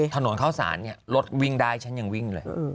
ถนนเข้าสารเนี่ยรถวิ่งได้ฉันยังวิ่งเลย